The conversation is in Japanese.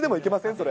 それ。